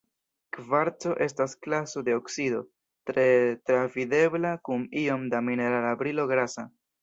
Kvarco estas klaso de oksido, tre travidebla kun iom da minerala brilo grasa.